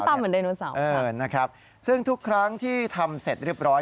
ตามเหมือนไดโนเสาร์นะครับซึ่งทุกครั้งที่ทำเสร็จเรียบร้อย